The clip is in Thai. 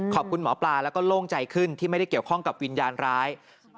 หมอปลาแล้วก็โล่งใจขึ้นที่ไม่ได้เกี่ยวข้องกับวิญญาณร้าย